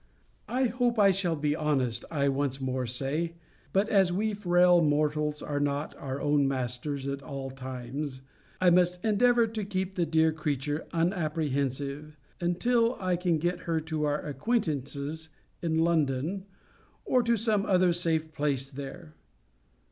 I hope I shall be honest, I once more say: but as we frail mortals are not our own masters at all times, I must endeavour to keep the dear creature unapprehensive, until I can get her to our acquaintance's in London, or to some other safe place there.